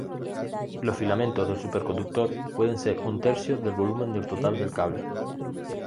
Los filamentos del superconductor pueden ser un tercio del volumen del total del cable.